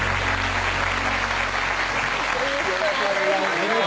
よろしくお願いします